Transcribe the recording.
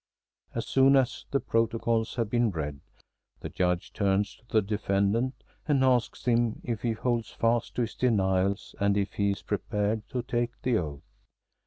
As soon as the protocols have been read, the Judge turns to the defendant and asks him if he holds fast to his denials and if he is prepared to take the oath.